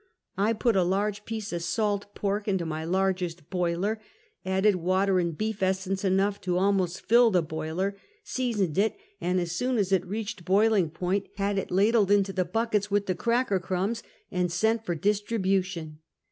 I put a large piece of salt pork into my largest boiler, added water and beef es sence enough to almost fill the boiler, seasoned it, and as soon as it reached boiling point had it ladled into 348 Half a Oentuky. the buckets with the cracker crumbs, and sent for dis tribution.